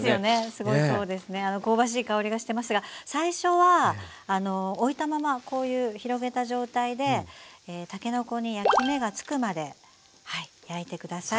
すごいそうですね香ばしい香りがしてますが最初はおいたままこういう広げた状態でたけのこに焼き目がつくまで焼いてください。